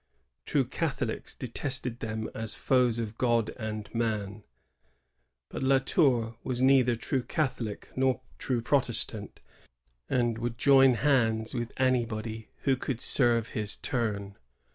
True Catholics detested them as foes of God and man; but La Tour was neither true Catholic nor true Protestant, and would join hands with anybody who could serve his turn.